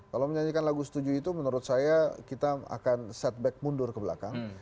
kalau menyanyikan lagu setuju itu menurut saya kita akan setback mundur ke belakang